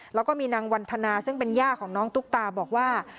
แล้วก็มีนางวันธนาซึ่งเป็นย่าของน้องตุ๊กตาบอกว่า